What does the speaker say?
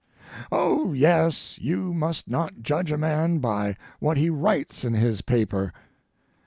Oh yes, you must not judge a man by what he writes in his paper.